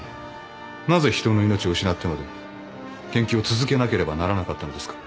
なぜ人の命を失ってまで研究を続けなければならなかったのですか？